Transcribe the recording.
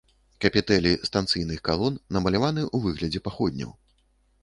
Капітэлі станцыйных калон намаляваны ў выглядзе паходняў.